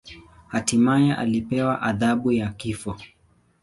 Hatimaye alipewa adhabu ya kifo.